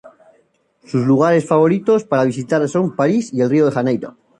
Sus lugares favoritos para visitar son París y Río de Janeiro.